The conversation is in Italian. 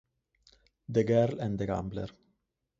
The Girl and the Gambler